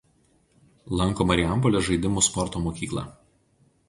Lanko Marijampolės žaidimų sporto mokyklą.